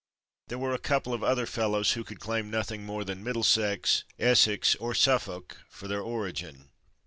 There were a couple of other fellows who could claim nothing more than Middlesex, Essex, or Suffolk for their origin.